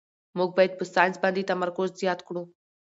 موږ باید په ساینس باندې تمرکز زیات کړو